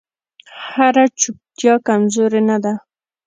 هره چوپتیا کمزوري نه ده